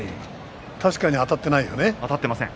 確かにあたっていないよね。